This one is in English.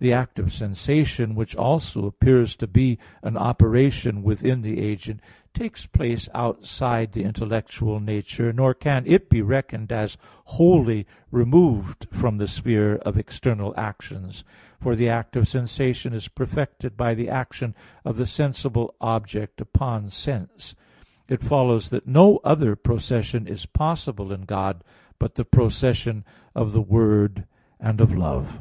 The act of sensation, which also appears to be an operation within the agent, takes place outside the intellectual nature, nor can it be reckoned as wholly removed from the sphere of external actions; for the act of sensation is perfected by the action of the sensible object upon sense. It follows that no other procession is possible in God but the procession of the Word, and of Love.